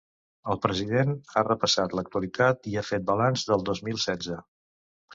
El president ha repassat l’actualitat i ha fet balanç del dos mil setze.